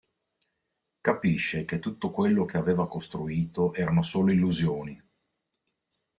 Capisce che tutto quello che aveva costruito erano solo illusioni.